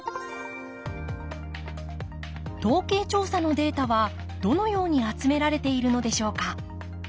統計調査のデータはどのように集められているのでしょうか。